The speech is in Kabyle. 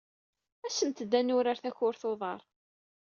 Asemt-d ad nurar takurt n uḍar!